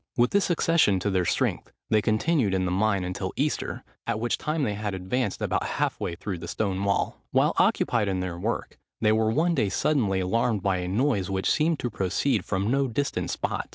With this accession to their strength, they continued in the mine until Easter, at which time they had advanced about half way through the stone wall. While occupied in their work, they were one day suddenly alarmed by a noise, which seemed to proceed from no distant spot.